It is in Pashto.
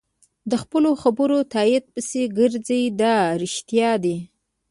د خپلو خبرو تایید پسې ګرځي دا رښتیا دي.